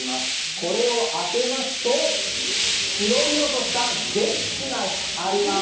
これを開けますと広々としたデッキがあります。